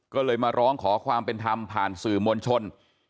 ก็เลยมาร้องขอความเป็นธรรมผ่านสื่อมวลชน